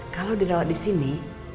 kalau dirawat di sini